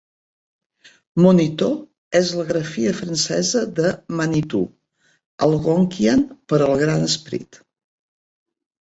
"Moniteau" és la grafia francesa de "Manitou", Algonquian per al Gran Esperit.